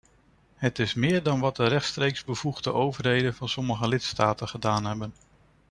Het is meer dan wat de rechtstreeks bevoegde overheden van sommige lidstaten gedaan hebben.